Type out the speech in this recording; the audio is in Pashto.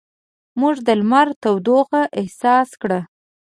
موږ د لمر تودوخه احساس کړه.